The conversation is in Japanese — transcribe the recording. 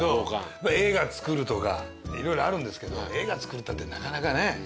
映画作るとか色々あるんですけど映画作るったってなかなかね。